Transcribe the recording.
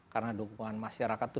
karena dukungan masyarakat itu